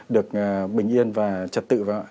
được bình yên và trật tự